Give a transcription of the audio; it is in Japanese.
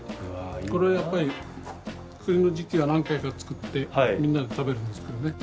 これやっぱり栗の時期は何回か作ってみんなで食べるんですけどね。